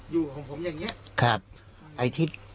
อยู่ของผมอย่างเงี้ย